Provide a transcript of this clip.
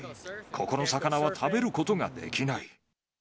ここの魚は食べることができない。